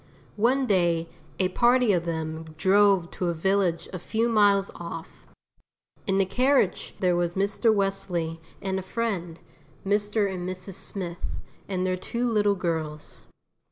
One day a party of them drove to a village a few miles off. In the carriage there was Mr. Wesley and a friend, Mr. and Mrs. Smith and their two little girls.